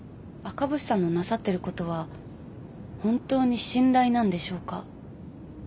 赤星さんのなさってることは本当に信頼なんでしょうか？